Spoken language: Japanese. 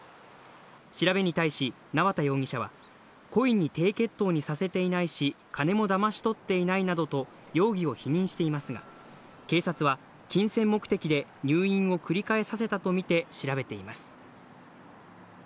調べに対し、縄田容疑者は故意に低血糖にさせていないし、金もだまし取っていないなどと容疑を否認していますが、警察は金銭目的で入院を繰り返させたと見て、調べています。